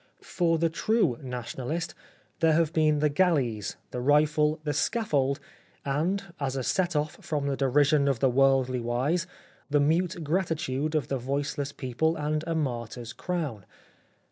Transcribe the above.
For the true Nationalist there have been the galleys, the rifle, the scaffold, and, as a set off from the de rision of the worldly wise, the mute gratitude of the voiceless people and a martyr's crown.